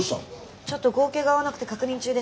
ちょっと合計が合わなくて確認中です。